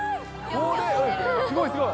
すごい、すごい。